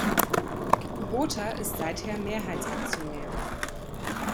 Kubota ist seither Mehrheitsaktionär.